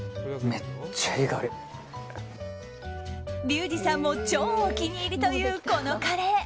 リュウジさんも超お気に入りというこのカレー。